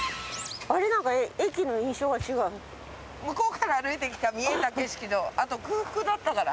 向こうから歩いてきた見えた景色とあと空腹だったから。